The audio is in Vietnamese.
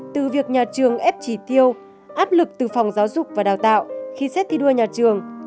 từ việc nhà trường ép chỉ tiêu áp lực từ phòng giáo dục và đào tạo khi xét thi đua nhà trường